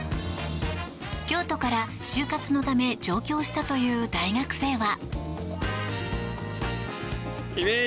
京都から就活のため上京したという大学生は。